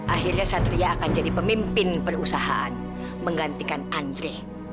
akhirnya satria akan jadi pemimpin perusahaan menggantikan andre